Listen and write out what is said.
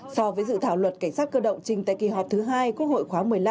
so với dự thảo luật cảnh sát cơ động trình tại kỳ họp thứ hai quốc hội khóa một mươi năm